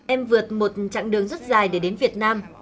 em vượt một chặng đường rất dài để đến việt nam